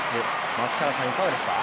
槙原さん、いかがですか？